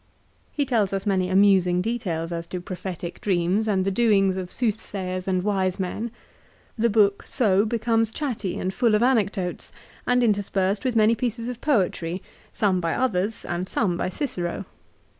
1 He tells us many amusing details as to prophetic dreams and the doings of soothsayers and wise men. The book so 1 De Divin. lib. i. ca. xviii. 366 LIFE OF CICERO. becomes chatty and full of anecdotes, and interspersed with many pieces of poetry, some by others and some by Cicero.